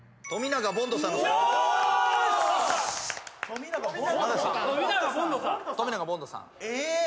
冨永ボンドさん。